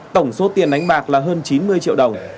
tổng số tiền đánh bạc là hơn chín mươi triệu đồng